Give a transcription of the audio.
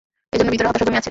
এজন্য ভিতরে হতাশা জমে আছে।